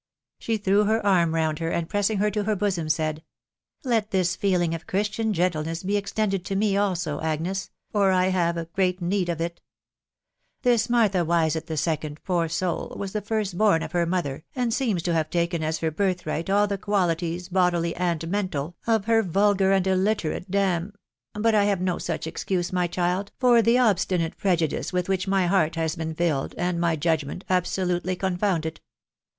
She threw her arm round her, and pressing her to her bosom, said, —" Let this feeling of Christian gentleness be extended to me also, Agnes, .... for I have great need of it This Martha Wisett the second, poor soul, was the first born of her mother, and seems to have taken as her birthright all the qualities, bodily and mental, of her vulgar and illiterate dam. ••. But I have no such excuse, my child, for the obstinate prejudice with which my heart has been filled, and my judgment absolutely confounded.